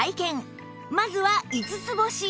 まずは５つ星